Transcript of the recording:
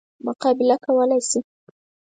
مقابله کولای شي.